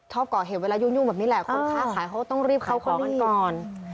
ก่อเหตุเวลายุ่งแบบนี้แหละคนค้าขายเขาก็ต้องรีบเข้าของมันก่อน